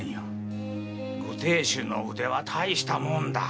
ご亭主の腕は大したもんだ。